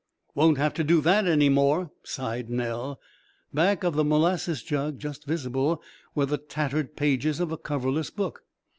"Won't have that to do any more," sighed Nell. Back of the molasses jug, just visible, were the tattered pages of a coverless book.